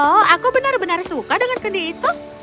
oh aku benar benar suka dengan kendi itu